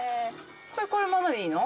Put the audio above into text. これこのままでいいの？